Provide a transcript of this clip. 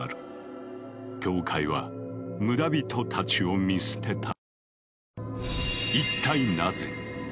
教会は村人たちを見捨てたのだ。